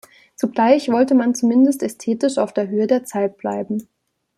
Zugleich wollte man zumindest ästhetisch auf der Höhe der Zeit bleiben.